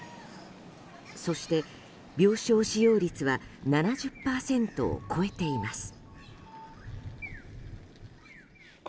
そして、病床使用率は７０％を超えています。